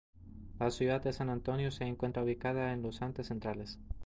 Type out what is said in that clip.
La ciudad de San Antonio se encuentra ubicada en los Andes Centrales.